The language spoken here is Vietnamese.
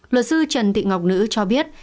luật sư trần thị ngọc nữ cho biết